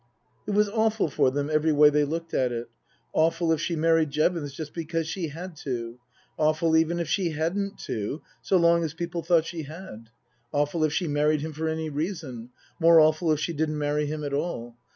It was awful for them every way they looked at it ; awful if she married Jevons just because she had to ; awful even if she hadn't to, so long as people thought she had ; awful if she married him for any reason ; more awful if she didn't marry him at all.